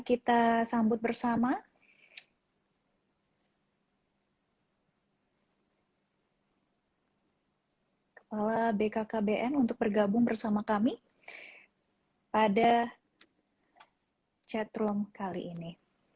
kita sambut bersama kepala bkkbn untuk bergabung bersama kami pada chatroom kali ini